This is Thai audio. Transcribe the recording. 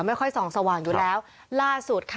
ไม่ค่อยส่องสว่างอยู่แล้วล่าสุดค่ะ